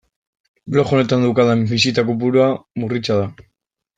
Blog honetan daukadan bisita kopurua murritza da.